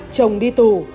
chồng đi tù